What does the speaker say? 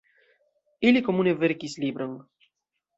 Ili komune verkis libron.